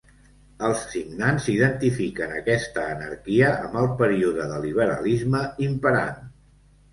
Els signants identifiquen aquesta anarquia amb el període de liberalisme imperant.